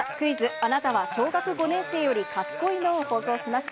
あなたは小学５年生より賢いの？を放送します。